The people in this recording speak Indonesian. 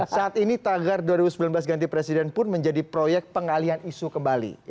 saat ini tagar dua ribu sembilan belas ganti presiden pun menjadi proyek pengalian isu kembali